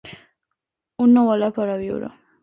Un nou alé per a viure.